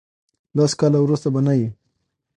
لس کاله ورسته به نه یی.